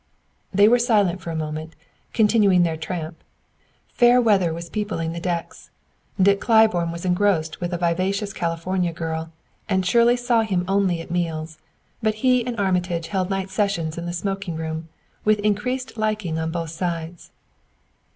They were silent for a moment, continuing their tramp. Pair weather was peopling the decks. Dick Claiborne was engrossed with a vivacious California girl, and Shirley saw him only at meals; but he and Armitage held night sessions in the smoking room, with increased liking on both sides.